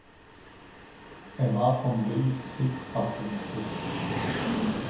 Er war vom Willys Six abgeleitet.